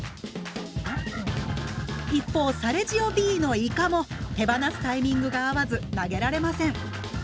一方サレジオＢのイカも手放すタイミングが合わず投げられません。